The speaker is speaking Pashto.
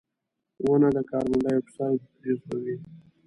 • ونه د کاربن ډای اکساید جذبوي.